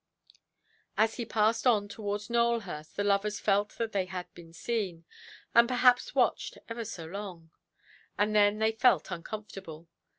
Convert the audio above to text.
As he passed on towards Nowelhurst the lovers felt that they had been seen, and perhaps watched ever so long; and then they felt uncomfortable.